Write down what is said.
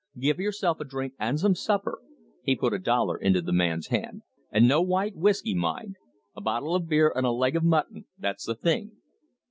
Give yourself a drink and some supper" he put a dollar into the man's hand "and no white whiskey, mind: a bottle of beer and a leg of mutton, that's the thing."